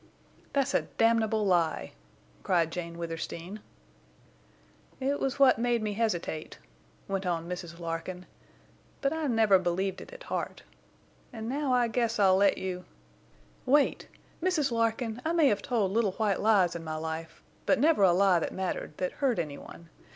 "That's a damnable lie!" cried Jane Withersteen. "It was what made me hesitate," went on Mrs. Larkin, "but I never believed it at heart. And now I guess I'll let you—" "Wait! Mrs. Larkin, I may have told little white lies in my life, but never a lie that mattered, that hurt any one.